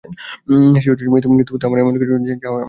সেই অশুচি মৃতবস্তু আমার এমন কিছুই নহে, যাহা আমি তোমকে দিতে পারি।